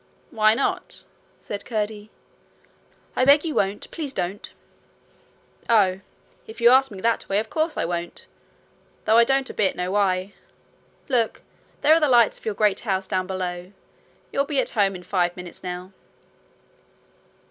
'Why not?' said Curdie. 'I beg you won't. Please don't.' 'Oh! if you ask me that way, of course, I won't; though I don't a bit know why. Look! there are the lights of your great house down below. You'll be at home in five minutes now.'